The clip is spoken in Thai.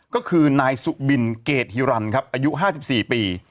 ก็คือนายสุบิลเกษฐรรณอายุ๕๔ปี